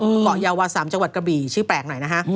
เกาะยาวา๓จังหวัดกระบี่ชื่อแปลกหน่อยนะฮะ